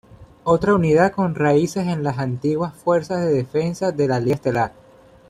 Otra unidad con raíces en las antiguas Fuerzas de Defensa de la Liga Estelar.